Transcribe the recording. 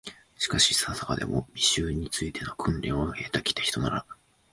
しかし、いささかでも、美醜に就いての訓練を経て来たひとなら、